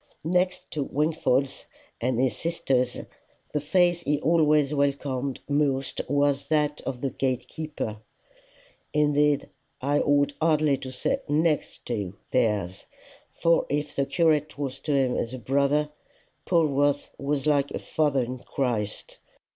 Next to Wingfold's and his sister's, the face he always welcomed most was that of the gate keeper indeed I ought hardly to say NEXT to theirs; for if the curate was to him as a brother, Polwarth was like a father in Christ.